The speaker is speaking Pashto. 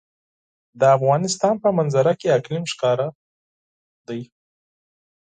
د افغانستان په منظره کې اقلیم ښکاره ده.